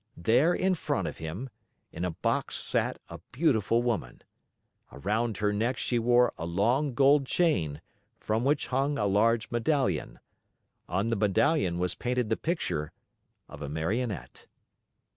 There, in front of him, in a box sat a beautiful woman. Around her neck she wore a long gold chain, from which hung a large medallion. On the medallion was painted the picture of a Marionette.